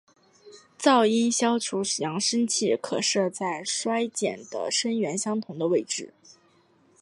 噪音消除扬声器可设在要衰减的声源相同的位置。